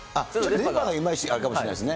電波がいまいちかもしれないですね。